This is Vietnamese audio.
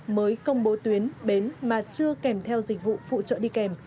mới công bố tuyến bến mà chưa kèm theo dịch vụ phụ trợ đi kèm